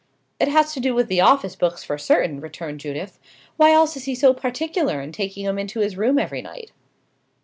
"It has to do with the office books, for certain," returned Judith. "Why else is he so particular in taking 'em into his room every night?"